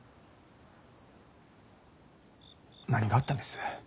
何があったんです？